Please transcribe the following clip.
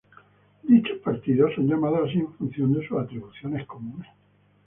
Dichos "partidos" son llamados así en función de sus atribuciones comunes.